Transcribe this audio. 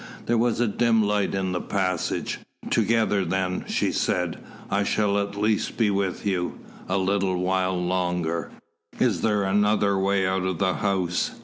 There was a dim light in the passage. "Together, then," she said. "I shall at least be with you a little longer." "Is there another way out of the house?"